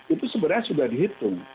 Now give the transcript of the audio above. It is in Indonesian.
itu sebenarnya sudah dihitung